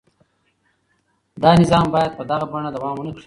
دا نظام باید په دغه بڼه دوام ونه کړي.